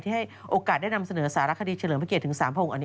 ที่ให้โอกาสได้นำเสนอสารคดีเฉลิงพระเกียรติถึงสามภูมิ